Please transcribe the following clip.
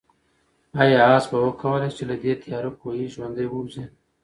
آیا آس به وکولای شي چې له دې تیاره کوهي ژوندی ووځي؟